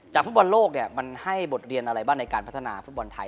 ฟุตบอลโลกเนี่ยมันให้บทเรียนอะไรบ้างในการพัฒนาฟุตบอลไทย